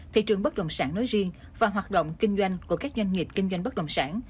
thị trường bất động sản nói riêng và hoạt động kinh doanh của các doanh nghiệp kinh doanh bất đồng sản